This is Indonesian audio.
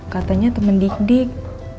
katanya temen didik